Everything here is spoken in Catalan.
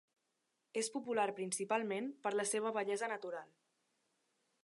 És popular principalment per la seva bellesa natural.